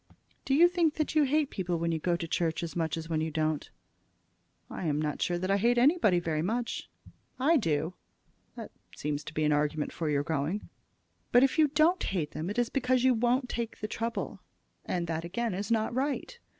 "Do you think that you hate people when you go to church as much as when you don't?" "I am not sure that I hate anybody very much." "I do." "That seems an argument for your going." "But if you don't hate them it is because you won't take the trouble, and that again is not right.